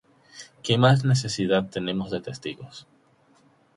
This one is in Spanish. ¿qué más necesidad tenemos de testigos?